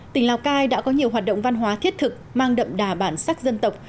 tỉnh lào cai đã có nhiều hoạt động văn hóa thiết thực mang đậm đà bản sắc dân tộc